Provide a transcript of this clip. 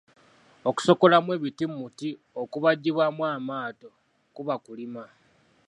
Okusokoolamu ebiti mu muti ogubajjibwamu amaato kuba kulima.